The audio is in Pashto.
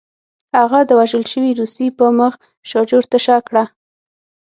هغه د وژل شوي روسي په مخ شاجور تشه کړه